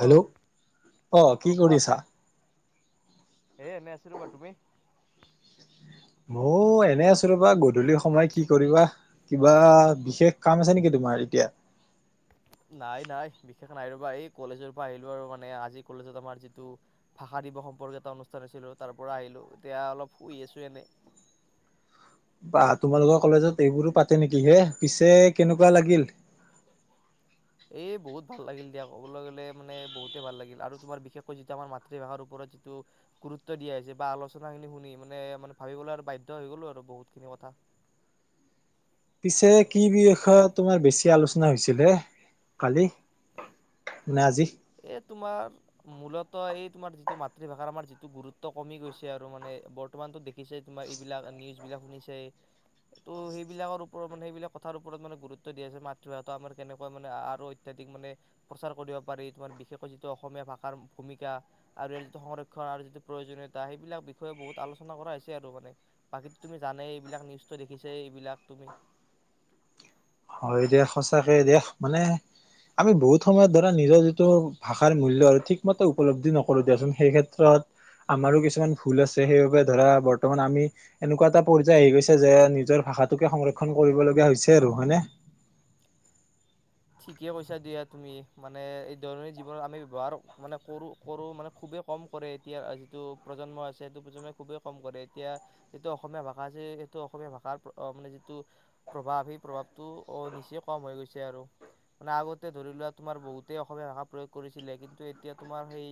Hello অঁ অ কি কোৱা কৰিছা? এ এনে আছো ৰবা তুমি? মই এনে আছো ৰবা গধূলি সময় কি কৰিবা কিবা বিশেষ কাম আছে নেকি তোমাৰ এতিয়া। নাই নাই বিশেষ নাই ৰবা এই কলেজৰ পৰা আহিলো আৰু মানে আজি কলেজত আমাৰ যিটো ভাষা দিৱস সম্পৰ্ক এটা অনুষ্ঠান আছিলো তাৰ পৰা আহিলো এতিয়া অলপ শুই আছো এনে। বাহ্ তোমালোকৰ কলেজত এইবোৰো পাতে নেকি হে, পিছে কেনেকুৱা লাগিল? এই বহুত ভাল লাগিল দিয়া ক'বলৈ গলে মানে বহুতে ভাল লাগিল আৰু তোমাৰ বিশেষকৈ যিটো আমাৰ মাতৃভাষাৰ ওপৰত যিটো গুৰুত্ব দিয়া হৈছে বা আলোচনা খিনি শুনি মানে মানে ভাবিবলৈ বাধ্য হৈ গলো আৰু বহুতখিনি কথা। পিছে কি বিষয়ে তোমাৰ বেছি আলোচনা হৈছিল হে কালি নে আজি? এ তোমাৰ মূলত এই তোমাৰ যিটো মাতৃভাষাৰ আমাৰ যিটো গুৰুত্ব কমি গৈছে আৰু মানে বৰ্তমানতো দেখিছে তোমাৰ এইবিলাক নিউজ বিলাক শুনিছে ত' সেইবিলাকৰ ওপৰত মানে সেইবিলাক কথাৰ ওপৰত মানে গুৰুত্ব দিয়া হৈছে মাতৃভাষাটো আমাৰ কেনেকুৱা মানে আৰু অত্যাধিক মানে প্ৰচাৰ কৰিব পাৰি। তোমাৰ বিশেষকৈ যিটো অসমীয়া ভাষাৰ ভূমিকা আৰু ইয়াৰ যিটো সংৰক্ষণ আৰু যিটো প্ৰয়োজনীয়তা সেইবিলাক বিষয়ে বহুত আলোচনা কৰা হৈছে আৰু মানে বাকীতো তুমি জানে এইবিলাক নিউজটো দেখিছে এইবিলাক তুমি। হয় দে সচাঁকে দে মানে আমি বহুত সময়ত ধৰা নিজৰ যিটো ভাষাৰ মূল্য ঠিকমতে উপলব্ধি নকৰো দিয়াচোন সেই ক্ষেত্ৰত আমাৰো কিছুমান ভুল আছে সেইবাবে ধৰা বৰ্তমান আমি এনেকুৱা এটা পৰ্য্যায়ৰ আহি গৈছে যে নিজৰ ভাষাটোকে সংৰক্ষন কৰিব লগা হৈছে আৰু হয়নে? ঠিকে কৈছা দিয়া তুমি মানে এই দৈনন্দিন আমি ব্যৱহাৰ মানে কৰো কৰোঁ মানে খুবেই কম কৰে এতিয়া যিটো প্ৰজন্ম আছে সেইটো প্ৰজন্মই খুবেই কম কৰে এতিয়া এইটো অসমীয়া ভাষা আছে সেইটো অসমীয়া ভাষাৰ মানে যিটো প্ৰভাৱ সেই প্ৰভাৱটো নিচে কম হৈ গৈছে আৰু। মানে আগতে ধৰি লোৱা তোমাৰ বহুতেই অসমীয়া ভাষা প্ৰয়োগ কৰিছিলে কিন্তু এতিয়া তোমাৰ সেই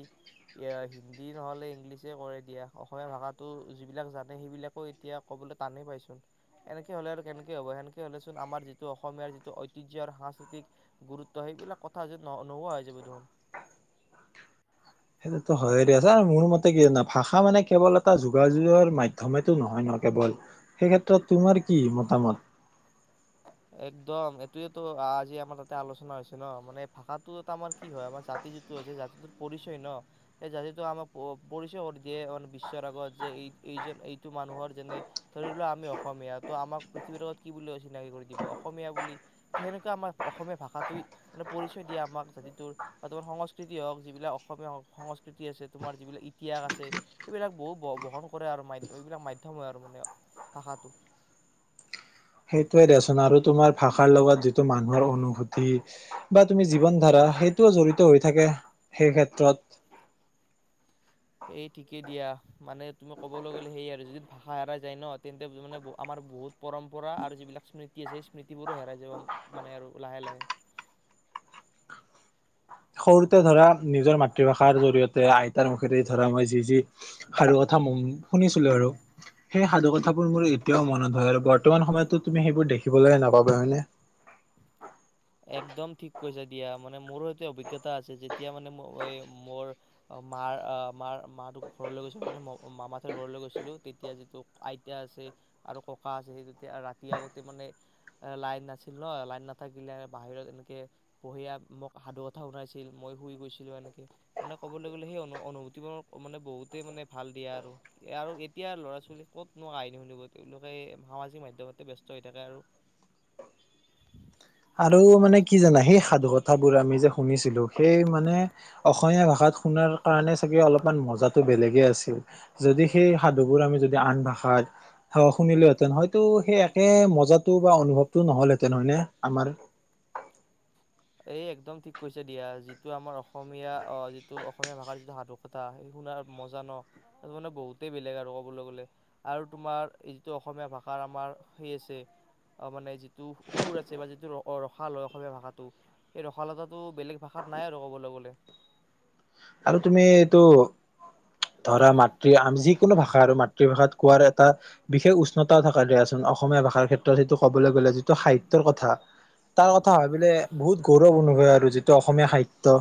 হিন্দী নহলে ইংলিছে কৰে দিয়া অসমীয়া ভাষাটো যিবিলাক জানে সেইবিলাকো এতিয়া কবলৈ টানেই পাইচোন এনেকে হলে আৰু কেনেকে হ'ব সেনেকে হলে চোন আমাৰ যিটো অসমীয়াৰ যিটো ঐতিহ্য আৰু সংস্কৃ গুৰুত্ব সেইবিলাক কথা যে ন নোহোৱা হৈ যাব দেখোন। সেইটোত হয়ে দিয়া ছাৰ মোৰ মতে কি জ ভাষা মানে কেৱল এটা যোগাযোগৰ মাধ্যমেটো নহয় ন কেৱল সেই ক্ষেত্ৰত তোমাৰ কি মতামত? একদম এইটোৱেই তো আজি আমাৰ তাতে আলোচনা হৈছে ন মানে ভাষাটো আমাৰ কি হয় আমাৰ জাতি যিটো হৈছে জাতিটোৰ পৰিচয় ন সেই জাতিটোক আমাক পৰিচয় কৰি দিয়ে মান বিশ্বৰ আগত যে এই এই এইটো মানুহৰ যেনে ধৰি লোৱা আমি অসমীয়া তো আমাক পৃথিৱীৰ আগত কি বুলি চিনাকি কৰি দিব অসমীয়া বুলি ত সেনেকুৱা আমাৰ অসমীয়া ভাষাটো মানে পৰিচয় দিয়ে আমাক জাতিটোৰ বা তোমাৰ সংস্কৃতি হওক যিবিলাক অসমীয়া সংস্কৃতি আছে তোমাৰ যিবিলাক ইতিহাস আছে সেইবিলাক বহু বহন কৰে আৰু মাধ্যম এইবিলাক মাধ্যম হয় আৰু মানে ভাষাটো। সেইটোৱে দেচোন আৰু তোমাৰ ভাষাৰ লগত যিটো মানুহৰ অনুভূতি বা তুমি জীৱন ধাৰা সেইটোও জড়িত হৈ থাকে সেই ক্ষেত্ৰত। সেই ঠিকেই দিয়া মানে তুমি কবলৈ গ'লে সেইয়া আৰু যদি ভাষা হেৰাই যায় ন তেন্তে মানে আমাৰ বহুত পৰম্পৰা আৰু যিবিলাক স্মৃতি আছে স স্মৃতিবোৰো হেৰাই যাব মানে আৰু লাহে লাহে। সৰুতে ধৰা নিজৰ মাতৃভাষাৰ জৰি়য়তে আইতাৰ মুখেৰে ধৰা মই যি যি সাধু কথা শুনিছিলো আৰু সেই সাধু কথাবোৰ মোৰ এতিয়াও মনত হয় আৰু বৰ্তমান সময়তো তুমি সেইবোৰ দেখিবলৈ নাপাবা হয়নে। একদম ঠিক কৈছো দিয়া মানে মোৰো সতে অভিজ্ঞতা আছে যেতিয়া মানে ম মোৰ মাৰ অঁ মাৰ মাক ঘৰলৈ গৈছিল মানে মামা ৰ ঘৰলৈ গৈছিলো তেতিয়া যিটো আইতা আছে আৰু ককা আছে সেই তেতিয়া ৰাতি আগতে মানে লাইন নাছিল ন লাইন নাথাকিলে বাহিৰত এনেকে পঢ়িয়া মোক সাধু কথা শুনাইছিল মই শুই গৈছিলো এনেকে মানে ক'বলৈ গলে সেই অনু অনুভূতি মোৰ মানে বহুতেই মানে ভাল দিয়া আৰু আৰু এতিয়া ল'ৰা ছোৱালী ক'তনো কাহিনী শুনিব তেওঁলোকে সামাজিক মাধ্যমতে বস্ত হৈ থাকে আৰু। আৰু মানে কি জানা সেই সাধু কথাবোৰ আমি যে শুনিছিলো সেই মানে অসমীয়া ভাষাত শুনাৰ কাৰণে চাগে অলপমান মজাটো বেলেগে আছিল যদি সেই সাধুবোৰ আমি যদি আন ভাষাত শুনিলোহেতেন হয়তো সেই একে মজাটো বা অনুভৱটো নহলহেঁতেন হয়নে। আমাৰ এ একদম ঠিক কৈছে দিয়া যিটো আমাৰ অসমীয়া আহ যিটো অসমীয়া ভাষাৰ যিটো সাধু কথা সেই শুনাৰ মজা ন স মানে বহুতেই বেলেগ আৰু ক'বলৈ গলে আৰু তোমাৰ এই যিটো অসমীয়া ভাষাৰ আমাৰ সেই আছে মানে যিটো সুৰ আছে বা যিটো ৰসাল ল হয় অসমীয়া ভাষাত। সেই ৰসালতাটো বেলেগ ভাষাত নাই আৰু ক'বলৈ গ'লে। আৰু তুমি এইটো ধৰা মাতৃ আমি যিকোনো ভাষা আৰু মাতৃভাষাত কোৱাৰ এটা বিশেষ উষ্ণতাও থকা দিয়াচোন অসমীয়া ভাষাৰ ক্ষেত্ৰত সেইটো কবলৈ গ'লে যিটো সাহিত্যৰ কথা তাৰ কথা ভাব পিললে বহুত গৌৰৱ অনুভৱ আৰু যিটো অসমীয়া সাহিত্য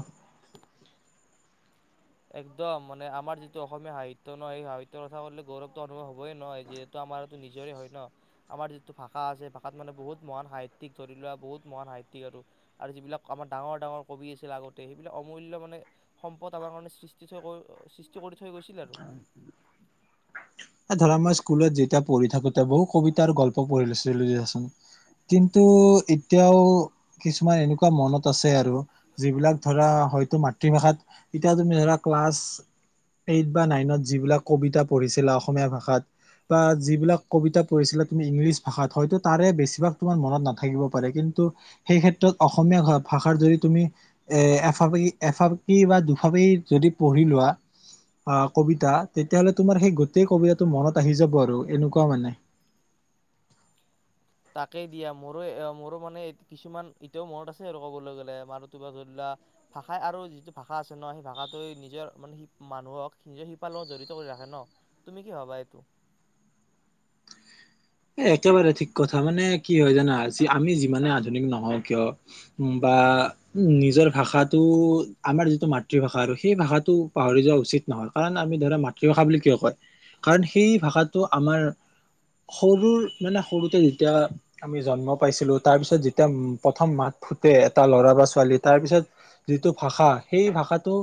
একদম মানে আমাৰ যিটো অসমীয়া সাহিত্যয় নহয় সেই সাহিতয়ৰ কথা কলে গৌৰৱত অনুভৱ হ'বই নহয় যিহেতু আমাৰো নিজৰে হয় ন আমাৰ যিটো ভাষা আছে ভাষাত মানে বহুত মহান সাহিতয়িক ধৰি লোৱা বহুত মহান সাহিতয়িক আৰু আৰু যিবিলাক আমাৰ ডাঙৰ ডাঙৰ কবি আছিল আগতে সেইবিলাক অমূল্য মানে সম্পদ আমাৰ কাৰে [unintelligible] সৃষ্টি কৰি থৈ গৈছিল আৰু। ধৰা আমাৰ স্কুলত যেতিয়া পঢ়ি থাকোতে বহুত কবিতা আৰু গল্প পঢ়ি লৈছিলোচোন কিন্তু এতিয়াও কিছুমান এনেকুৱা মনত আছে আৰু যিবিলাক ধৰা হয়তো মাতৃভাষাত এতিয়া তুমি ধৰা ক্লাছ এইট বা নাইনত যিবিলাক কবিতা পঢ়িছিলা অসমীয়া ভাষাত বা যিবিলাক কবিতা পঢ়িছিলা তুমি ইংলিছ ভাষাত হয়তো তাৰে বেছিভাগ তোমাৰ মনত নাথাকিব পাৰে কিন্তু সেই ক্ষেত্ৰত অসমীয়া ভাষাৰ যদি তুমি এফাক এফাকি বা দুফাকি যদি পঢ়ি লোৱা আহ কবিতা তেতিয়াহ'লে তোমাৰ সেই গোটেই কবিতাটো মনত আহি যাব আৰু এনেকুৱা মানে। তাকেই দিয়া মোৰো মোৰো মানে কিছুমান এতিয়াও মনৰত আছে আৰু ক'বলৈ গ'লে মানে টো ধৰি লোৱা ভাষাই আৰু যিটো ভাষা আছে ন সেই ভাষাটো নিজৰ মানে মানুহক নিজৰ শিপাল লগত জড়িত কৰি ৰাখে ন তুমি কি ভাবা এইটো। এ একেবাৰে ঠিক কথা মানে কি হয় জানা আমি যিমানে আধুনিক নহওঁ কিয় বা উ নিজৰ ভাষাটো আমাৰ যিটো মাতৃভাষা আৰু সেই ভাষাটো পাহৰি যোৱা উচিত নহয় কাৰণ আমি ধৰা মাতৃভাষা বুলি কিয় কয় কাৰণ সেই ভাষাটো আমাৰ সৰুৰ মানে সৰুতে যেতিয়া আমি জন্ম পাইছিলোঁ তাৰপিছত যেতিয়া প্ৰথম মাত ফুটে এটা ল'ৰা বা ছোৱালী তাৰপিছত যিটো ভাষা সেই ভাষাটো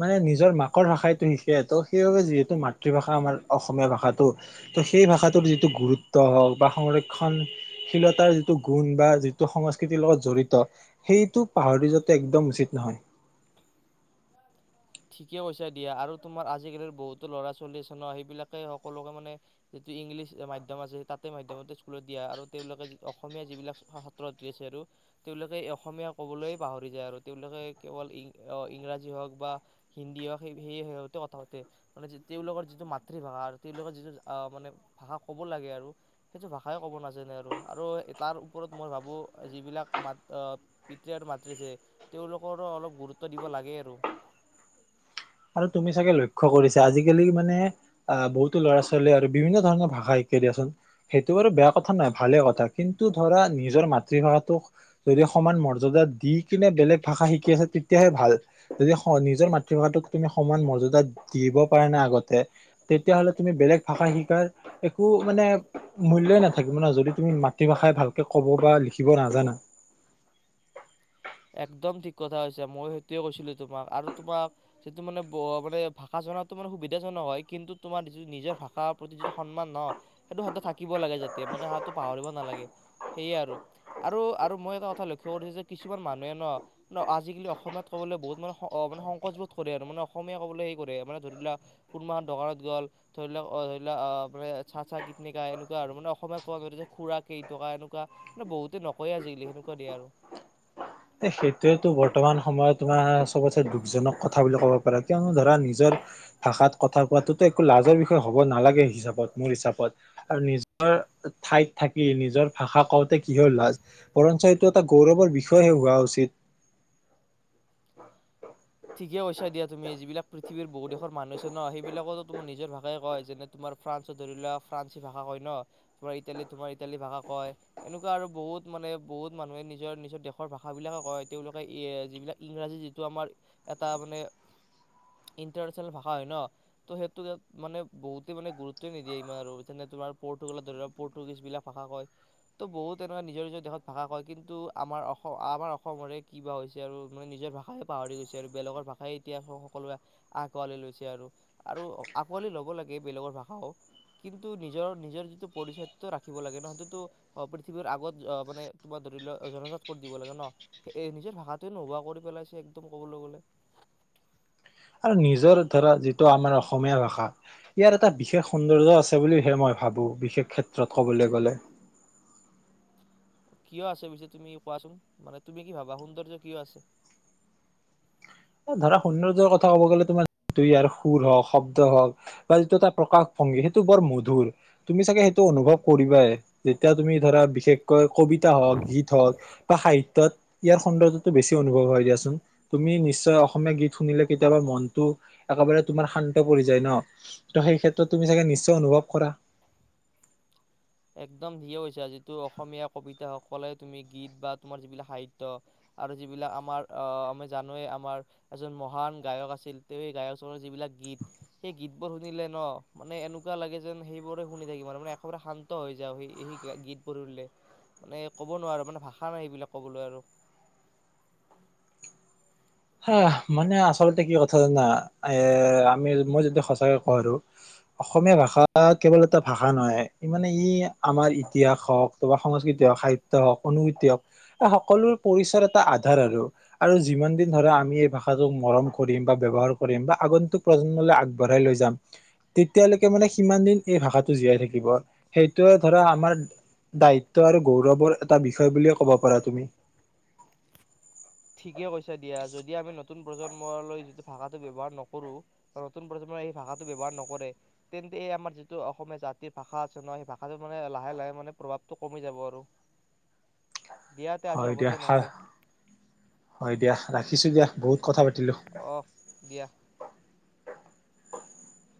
মানে নিজৰ মাকৰ ভাষাটো শিকে তো সেইবাবে যিহেতু মাতৃভাষা আমাৰ অসমীয়া ভাষাটো তো সেই ভাষাটোৰ যিটো গুৰুত্ব হওঁক বা সংৰক্ষণশীলতাৰ যিটো গুণ বা যিটো সংস্কৃতিৰ লগত জড়িত সেইটো পাহৰি যাতে একদম উচিত নহয়। ঠিকেই কৈচা দিয়া আৰু তোমাৰ আজিকালিৰ বহুতো ল'ৰা ছোৱালী আছে ন সেইবিলাকে সকলোকে মানে যিটো ইংলিছ মাধ্যম আছে তাতে মাধ্যমৰে স্কুলত দিয়া আৰু তেওঁলোকে অসমীয়া যিবিলাক ছাত্ৰ ছাত্ৰী আছে আৰু তেওঁলোকে অসমীয়া ক'বলৈয় পাহৰি যায় আৰু তেওঁলোকে কেৱলং ইংৰাজী হওঁক বা হিন্দী হওক স সেই সতে কথা পাতে মানে তেওঁলোকৰ যিটো মাতৃভাষা আৰু তেওঁলোকৰ যিটো আহ মানে ভাষা কব লাগে আৰু সেইটো ভাষাই ক'ব নাজানে আৰু আৰু তাৰ ওপৰত মই ভাবো যিবিলাক মাত আহ পিতৃ আৰু মাতৃ আছে তেওঁলোকৰো অলপ গুৰুত্ব দিব লাগে আৰু। [inaudible] আৰু তুমি চাগে লক্ষ্য কৰিছা আজিকালি মানে আহ বহুতো ল'ৰা ছোৱালীয়ে আৰু বিভিন্ন ধৰণৰ ভাষা শিকাই দিয়াচোন সেইটো বাৰু বেয়া কথা নহয় ভালে কথা কিন্তু ধৰা নিজৰ মাতৃভাষাটোক যদি সমান মৰ্যদা দি কিনে বেলেগ ভাষা শিকি আছে তেতিয়াহে ভাল যদি নিজৰ মাতৃভাষাটোক তুমি সমান মৰ্যদা দিব পাৰা না আগতে তেতিয়াহ'লে তুমি বেলেগ ভাষা শিকাৰ একো মানে মূল্যই নাথাকিব ন যদি তুমি মাতৃভাষাই ভালকে কব বা লিখিব নাজানা। একদম ঠিক কথা হৈছে মই সেইটোয়ে কৈছিলো তোমাক আৰু তোমাক সেইটো মানে মানে ভাষা জনাতো মানে সুবিধাজনক হয় কিন্তু তোমাৰ যিটো নিজৰ ভাষাৰ প্ৰতি যিটো সন্মান নহ সেইটো সদায় থাকিব লাগে যাতে মানে সটো পাহৰিব নালাগে সেয়ে আৰু মই এটা কথা লক্ষ্য কৰিছো যে কিছুমান মানুহে ন আজিকালি অসমীয়াত ক'বলৈ বহুত মানে মানে সংকচ বোধ কৰে আৰু মানে অসমীয়া ক'বলৈ সেই কৰে মান ধৰি লওক কোনোবা এখন দোকানত গ'ল ধৰি লও ধৰি লোৱা আহ মানে চাহ চাহ কীটনিকা এনেকুৱা আৰু মানে অসমীয়াত ক'ব ধ যে খুৰা কেইটকা এনেকুৱা মানে বহুতে নকয় আজিকালি সেনেকুৱা দিয়ে আৰু। এ সেইটোয়েতো বৰ্তমান সময়ত তোমাৰ চবতে দুখজনক কথা বুলি কব পাৰা কিয়নো ধৰা নিজৰ ভাষাত কথা কোৱাাতোতো একো লাজৰ বিষয় হব নালাগে হিচাপত মোৰ হিচাপত আৰু নিজৰ ঠাইত থাকি নিজৰ ভাষা কওঁতে কিহ লাজ বৰঞ্চ এইটো এটা গৌৰৱৰ বিষয়ে হোৱা উচিত। ঠিকে কৈছা দিয়া তুমি। যিবিলাক পৃথিৱীৰ বহুত দেশৰ মানুহ আছে ন? সেইবিলাকতো তোমাৰ নিজৰ ভাষাই কয়। যেনে তোমাৰ ফ্ৰান্সত ধৰি লোৱা ফ্ৰান্স ভাষা কয় ন! তোমাৰ ইটালীত তোমাৰ ইটালী ভাষা কয়। এনেকুৱা আৰু বহুত মানে, বহুত মানুহে নিজৰ নিজৰ দেশৰ ভাষাবিলাকে কয়, তেওঁলোকে যিবিলাক ইংৰাজী যিটো আমাৰ এটা মানে ইণ্টাৰনেচনেল ভাষা হয় ন ত' সেইটো ইয়াত মানে বহুতে মানে গুৰুত্বে নিদিয়ে ইমান আৰু যেনে তোমাৰ পৰ্তুগালক ধৰি ল পৰ্তুগীজ বিলাক ভাষা কয় ত' বহুত তেনেকুৱা নিজৰ নিজৰ দেশত ভাষা কয় কিন্তু আমাৰ অসম আমাৰ অসমৰে ক বা হৈছে আৰু মানে নিজৰ ভাষাই পাহৰি গৈছে বেলেগৰ ভাষাই এতিয়া সকলোৱে আঁকোৱালি লৈছে আৰু। আৰু আঁকোৱালি ল'ব লাগে বেলেগৰ ভাষাও, কিন্তু নিজৰ-নিজৰ যিটো পৰিচয়টো ৰাখিব লাগে ন? সেইটোতো অ' পৃথিৱীৰ আগত মানে, তোমাৰ ধৰি লোৱা জনজাত কৰি দিব লাগে ন? নিজৰ ভাষাটোৱে নোহোৱা কৰি পেলাইছে একদম। ক'বলৈ গ'লে আৰু নিজৰ ধৰা যিটো আমাৰ অসমীয়া ভাষা, ইয়াৰ এটা বিশেষ সৌন্দৰ্য আছে বুলিহে মই ভাবো, বিশেষ ক্ষেত্ৰত ক'বলৈ গ'লে। কিয় আছে পিছে, তুমি কোৱাচোন। মানে তুমি কি ভাবা সৌন্দৰ্য কিয় আছে? ধৰা সৌন্দৰ্যৰ কথা ক'ব গ'লে তোমাৰ যিটো ইয়াৰ সুৰ হওক, শব্দ হওঁক, বা যিটো এটা প্ৰকাশভংগী সেইটো বৰ মধুৰ। তুমি চাগে সেইটো অনুভৱ কৰিবাই। যেতিয়া তুমি ধৰা বিশেষকৈ কবিতা হওঁক, গীত হওঁক, বা সাহিত্যত ইয়াৰ সৌন্দৰ্যটো বেছি অনুভৱ হয় দিয়াচোন। তুমি নিচ অসমীয়া গীত শুনিলে কেতিয়াবা মনটো একেবাৰে তোমাৰ শান্ত পৰি যায় ন! ত' সেইক্ষেত্ৰত তুমি চাগে নিশ্চয় অনুভৱ কৰা। একদম [unintelligible] হৈছে আৰু যিটো অসমীয়া কবিতাসকলে, তুমি গীত বা তোমাৰ যিবিলাক সাহিত্য আৰু যিবিলাক আমাৰ, আ, আমি জানোৱেই আমাৰ এজন মহান গায়ক আছিল। তেওঁ এই গায়ক [unintelligible] যিবিলাক গীত সেই গীতবোৰ শুনিলে ন, মানে এনেকুৱা লাগে যেন সেইবোৰে শুনি থাকিম। মানে একেবাৰে শান্ত হৈ যাও সেই-সেই গীতবোৰ শুনিলে। মানে ক'ব নোৱাৰো মানে ভাষা নাই সেবিলাক ক'বলৈ আৰু। হাহ। মানে আচলতে কি কথা জানা? এ আমি মই যদি সঁচাকে কওঁ আৰু, অসমীয়া ভাষা কেৱল এটা ভাষা নহয়। মানে ই আমাৰ ইতিহাস হওক বা সংস্কৃতি হওক, সাহিত্য হওক, অনুভূতি হওক। সকলো পৰিচয়ৰ এটা আধাৰ আৰু, আৰু যিমান দিন ধৰা আমি এই ভাষাটোক মৰম কৰিম বা ব্যৱহাৰ কৰিম বা আগন্তুক প্ৰজন্মলৈ আগবঢ়াই লৈ যাম। তেতিয়ালৈকে মানে সিমান দিন এই ভাষাটো জীয়াই থাকিব। সেইটোৱে ধৰা আমাৰ দায়িত্ব আৰু গৌৰৱৰ এটা বিষয় বুলিয়ে ক'ব পাৰা তুমি। কে কৈছে দিয়া। যদি আমি নতুন প্ৰজন্মলৈ যিটো ভাষাটো ব্যৱহাৰ নকৰো, বা নতুন প্ৰজন্মই এই ভাষাটো ব্যৱহাৰ নকৰে, তেন্তে এই আমাৰ যিটো অসমীয়া জাতিৰ ভাষা আছে ন সেই ভাষাটো মানে লাহে-লাহে মানে প্ৰভাৱটো কমি যাব আৰু। দিয়া তে আজি হ'ব দিয়া নহ'লে। হয় দিয়া, ৰাখিছো দিয়া। বহুত কথা পাতিলোঁ। অহ দিয়া। [unintelligible]